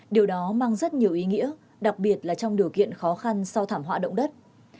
điều đó mang rất nhiều ý nghĩa đặc biệt là trong điều kiện khó khăn sau thảm họa động đất